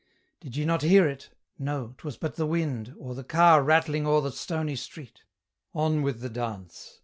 Did ye not hear it? No; 'twas but the wind, Or the car rattling o'er the stony street; On with the dance!